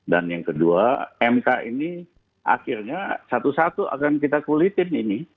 dan yang kedua mk ini akhirnya satu satu akan kita kulitin ini